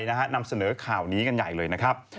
นำเสนอข่าวนี้กันใหญ่เลยนะครับ